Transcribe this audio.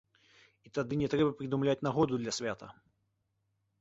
І тады не трэба прыдумляць нагоду для свята.